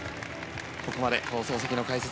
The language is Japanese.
ここまで放送席の解説